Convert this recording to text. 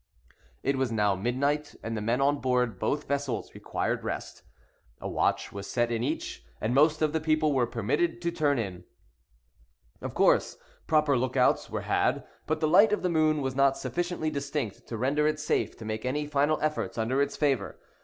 It was now midnight, and the men on board both vessels required rest. A watch was set in each, and most of the people were permitted to turn in. Of course, proper lookouts were had, but the light of the moon was not sufficiently distinct to render it safe to make any final efforts under its favor.